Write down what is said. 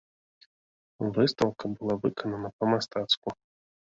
Выстаўка была выканана па-мастацку.